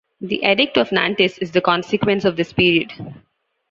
The Edict of Nantes is the consequence of this period.